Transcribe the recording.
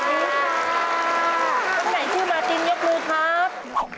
ท่านไหนชื่อมาตินยกลูกครับ